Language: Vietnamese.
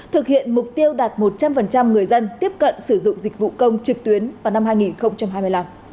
thực hiện mục tiêu đạt một trăm linh người dân tiếp cận sử dụng dịch vụ công trực tuyến vào năm hai nghìn hai mươi năm